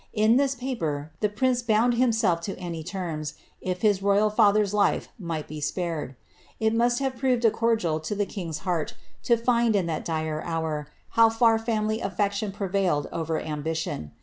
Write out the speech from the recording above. In this paper, the prince bound himself to any terms, if his royal father's liA might be spared. It must have proved a cordial to the king's heart to find in that dire hour, how far family affection prevailed over ambition.